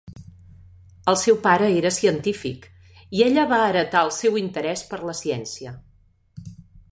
El seu pare era científic, i ella va heretar el seu interès per la ciència.